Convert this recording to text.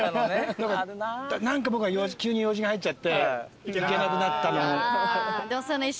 何か僕が急に用事が入っちゃって行けなくなったの。